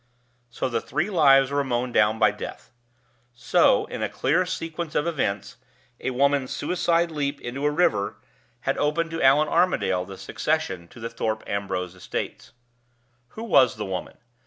So the three lives were mown down by death. So, in a clear sequence of events, a woman's suicide leap into a river had opened to Allan Armadale the succession to the Thorpe Ambrose estates. Who was the woman?